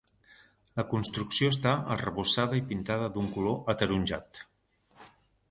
La construcció està arrebossada i pintada d'un color ataronjat.